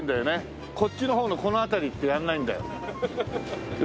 こっちの方のこの辺りってやらないんだよ。